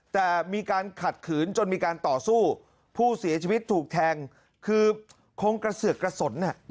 แต่มีการขัดขืนจนมีการต่อสู้ผู้เสียชีวิตถูกแทงคือคงกระเสือกกระสน